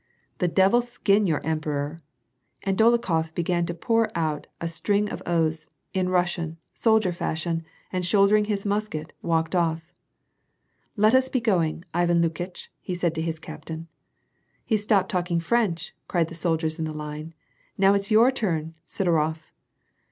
The devil skin your emperor !" And Dolokhof began to pour out a string of oaths, in Rus sian, soldier fashion, and shouldering his musket, walked off. " Let us be going, Ivan Lukitch," said he to his captain. " He's stopped talking French," cried the soldiers in the line, " Now it's your turn, Sidorof